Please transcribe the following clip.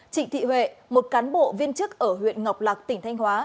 trịnh thị huệ một cán bộ viên chức ở huyện ngọc lạc tỉnh thanh hóa